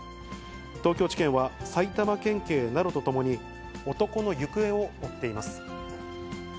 東京地検は、埼玉県警などとともに、男の行方を追っています。